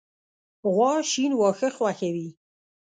غوا شین واښه خوښوي.